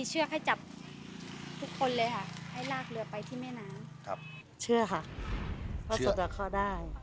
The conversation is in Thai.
เชื่อค่ะเพราะสะดวกเขาได้